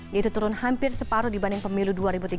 yaitu turun hampir separuh dibanding pemilu dua ribu tiga belas